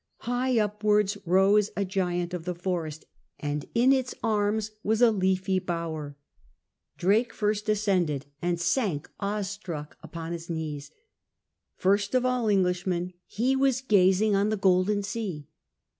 High upwards rose a giant of the forest, and in its arms was a leafy bower. Drake first ascended, and sank awe struck upon his knees. First of all Englishmen he was gazing on the Golden Sea.